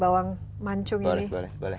bawang mancung itu kalau yang di bawah